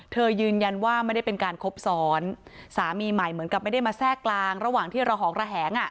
ยืนยันว่าไม่ได้เป็นการคบซ้อนสามีใหม่เหมือนกับไม่ได้มาแทรกกลางระหว่างที่ระหองระแหงอ่ะ